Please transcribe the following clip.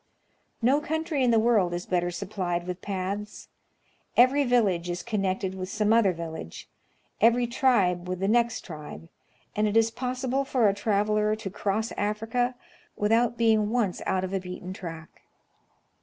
No country in the world is better supplied with paths. Every village is connected with some other village, everj'^ tribe with the next tribe, and it is possible for a traveler to cross Africa without being once out of a beaten track."